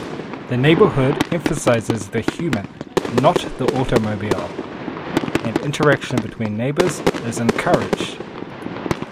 The neighborhood emphasizes the human, not the automobile, and interaction between neighbors is encouraged.